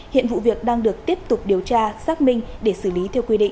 hiện vụ việc đang được tiếp tục điều tra xác minh để xử lý theo quy định